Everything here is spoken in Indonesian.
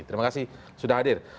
terima kasih sudah hadir